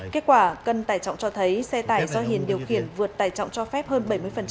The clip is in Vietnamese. kết quả cân tải trọng cho thấy xe tải do hiền điều khiển vượt tải trọng cho phép hơn bảy mươi